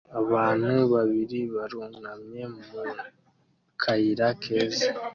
Abantu babiri barunamye mu kayira keza